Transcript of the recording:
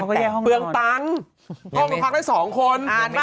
ความถักให้๒คน